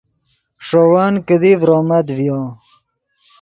ݰے ون کیدی ڤرومت ڤیو